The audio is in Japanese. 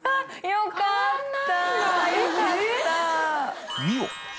よかった。